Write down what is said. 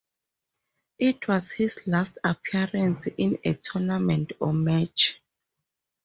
It was his last appearance in a tournament or match.